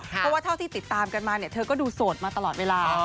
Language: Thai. เพราะว่าเท่าที่ติดตามกันมาเนี่ยเธอก็ดูโสดมาตลอดเวลา